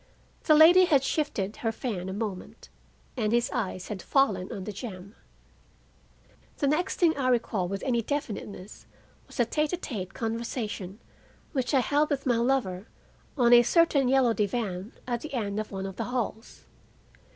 The lady had shifted her fan a moment and his eyes had fallen on the gem. The next thing I recall with any definiteness was a tête à tête conversation which I held with my lover on a certain yellow divan at the end of one of the halls.